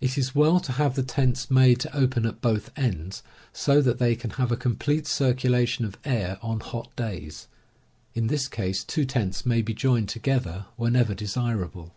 It is well to have the tents made to open at both ends, so that they can have a complete circulation of air on hot days. In this case, two tents may be joined to gether whenever desirable.